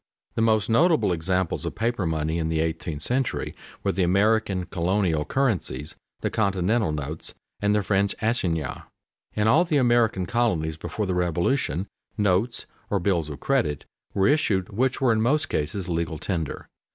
_The most notable examples of paper money in the eighteenth century were the American colonial currencies, the continental notes, and the French assignats._ In all the American colonies before the Revolution notes or bills of credit were issued which were in most cases legal tender.